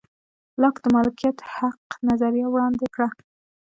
لاک د مالکیت حق نظریه وړاندې کړه.